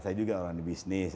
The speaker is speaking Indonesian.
saya juga orang di bisnis